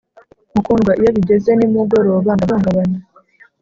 mukundwa, iyo bigeze nimugoroba ndahungabana